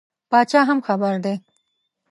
پاچا هم خبر دی.